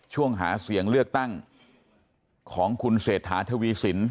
ช่วงหาเสียงเลือกตั้งของคุณเศรษฐาทวีสิน